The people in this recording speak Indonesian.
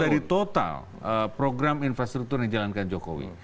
dari total program infrastruktur yang dijalankan jokowi